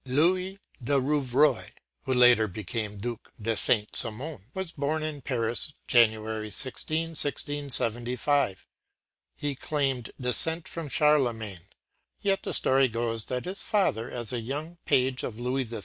” Louis de Rouvroy, who later became the Duc de Saint Simon, was born in Paris, January 16, 1675. He claimed descent from Charlemagne, but the story goes that his father, as a young page of Louis XIII.